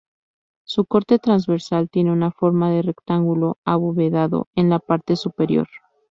Su corte transversal tiene una forma de rectángulo abovedado en la parte superior.